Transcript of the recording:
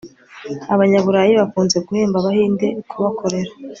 abanyaburayi bakunze guhemba abahinde kubakorera